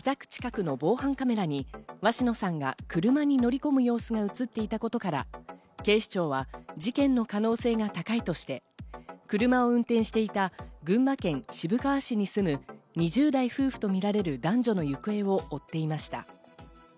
自宅近くの防犯カメラに鷲野さんが車に乗り込む様子が映っていたことから警視庁は事件の可能性が高いとして、車を運転していた群馬県渋川市に住む２０代夫婦とみられる男女の行方を追っていました。